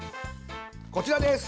こちらです！